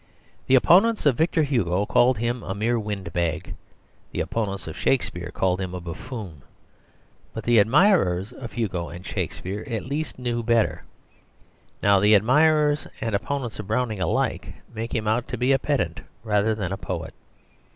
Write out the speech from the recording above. The opponents of Victor Hugo called him a mere windbag; the opponents of Shakespeare called him a buffoon. But the admirers of Hugo and Shakespeare at least knew better. Now the admirers and opponents of Browning alike make him out to be a pedant rather than a poet.